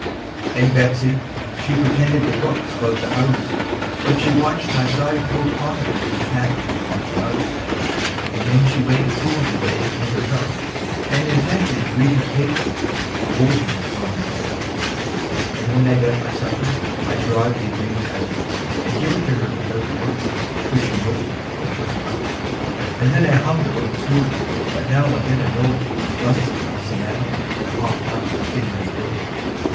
And Betsey, she pretended to look about the house, But she watched my side coat pocket like a cat would watch a mouse: And then she went to foolin' a little with her cup, And intently readin' a newspaper, a holdin' it wrong side up. "AND INTENTLY READIN' A NEWSPAPER, A HOLDIN' IT WRONG SIDE UP." And when I'd done my supper I drawed the agreement out, And give it to her without a word, for she knowed what 'twas about; And then I hummed a little tune, but now and then a note Was bu'sted by some animal that hopped up in my throat.